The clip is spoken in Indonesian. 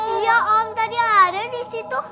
iya om tadi ada di situ